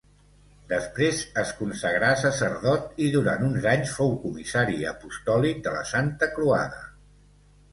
Després es consagrà sacerdot i durant uns anys fou comissari apostòlic de la Santa Croada.